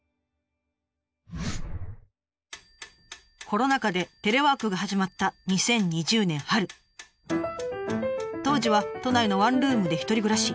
コロナ禍でテレワークが始まった当時は都内のワンルームで１人暮らし。